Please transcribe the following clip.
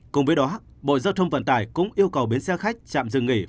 cùng với đó bộ giao thông vận tải cũng yêu cầu biến xe khách chạm dừng nghỉ